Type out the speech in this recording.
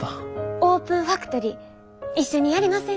オープンファクトリー一緒にやりませんか？